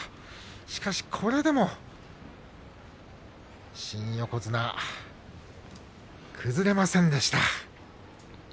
しかしこれでも新横綱照ノ富士崩れませんでした。